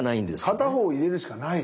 片方を入れるしかない。